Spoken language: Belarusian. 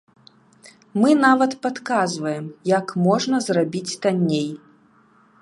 Мы нават падказваем, як можна зрабіць танней.